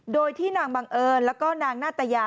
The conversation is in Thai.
โดยที่นางบังเอิญแล้วก็นางนาตยา